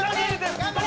頑張れ！